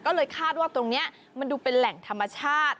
ก็เลยคาดว่าตรงนี้มันดูเป็นแหล่งธรรมชาติ